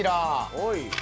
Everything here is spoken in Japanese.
はい。